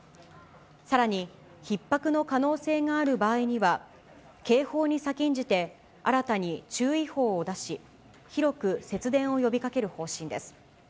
さらに、ひっ迫の可能性がある場合には、警報に先んじて、新たに注意報を出し、広く節電を呼びかける方針です。